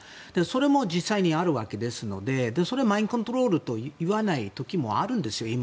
それも実際にあるわけですのでそれは今マインドコントロールと言わない時もあるんですよ。